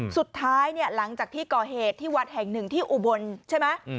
สุดท้ายเนี่ยหลังจากที่ก่อเหตุที่วัดแห่งหนึ่งที่อุบลใช่ไหม